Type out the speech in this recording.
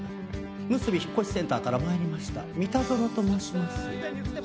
むすび引越センターから参りました三田園と申します。